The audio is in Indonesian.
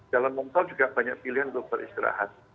jalan ngomong tol juga banyak pilihan untuk beristirahat